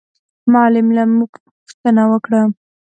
معلم له موږ پوښتنه وکړه.